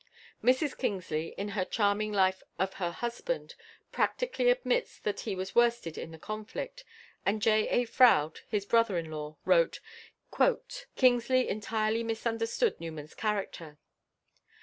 Mrs Kingsley, in her charming life of her husband, practically admits that he was worsted in the conflict, and J. A. Froude, his brother in law, wrote: "Kingsley entirely misunderstood Newman's character.